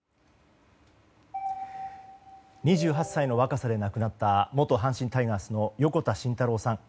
２８歳の若さで亡くなった元阪神タイガースの横田慎太郎さん。